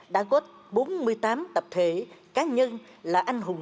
đã có bốn mươi tám tập thể cá nhân là anh hùng